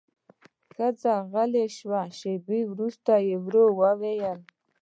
ښځه غلې شوه، شېبه وروسته يې ورو وويل: